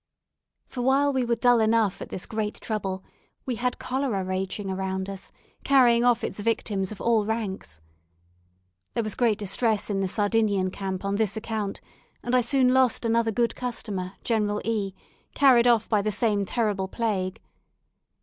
For while we were dull enough at this great trouble, we had cholera raging around us, carrying off its victims of all ranks. There was great distress in the Sardinian camp on this account, and I soon lost another good customer, General E , carried off by the same terrible plague.